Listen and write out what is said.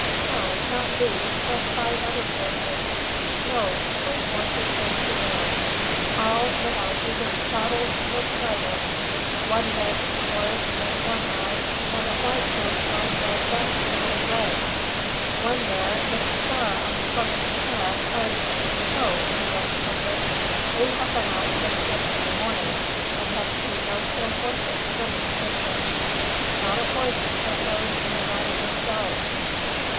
"No, not these, but five other horses, no, three horses and two mares, all mitout either sattles or pridles; one red horse mit one eye and a white poot on the left behind leg, one mare mit a star on the front of his head, und " "No," interrupted Hendrik, "we have been out since yesterday morning, but have seen no stray horses of any description; not a horse except those we are riding ourselves."